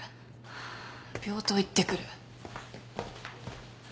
病棟行ってくる。